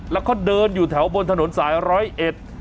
แล้วก็เดินอยู่แถวบนถนนสายร้อยเอ็ด